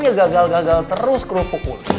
dia gagal gagal terus kerupuk kulit